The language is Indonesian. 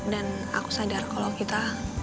dan aku sadar kalau kita